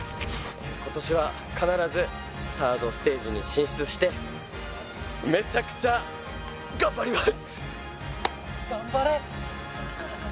今年は必ずサードステージに進出してめちゃくちゃ頑張ります！